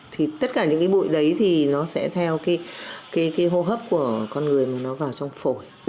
thì tất cả những cái bụi đấy thì nó sẽ theo cái hô hấp của con người mà nó vào trong phổi